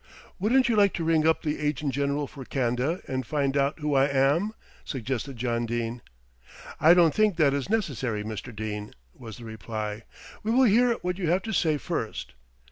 "Wouldn't you like to ring up the Agent General for Can'da and find out who I am?" suggested John Dene. "I don't think that is necessary, Mr. Dene," was the reply. "We will hear what you have to say first.